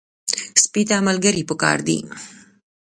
سپي ته ملګري پکار دي.